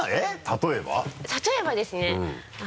例えばですね。